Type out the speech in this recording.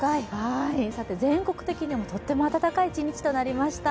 全国的にもとっても暖かい一日となりました。